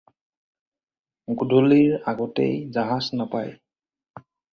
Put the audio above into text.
গধূলিৰ আগতে জাহাজ নাপায়।